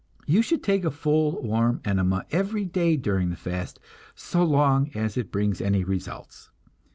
You should take a full warm enema every day during the fast, so long as it brings any results.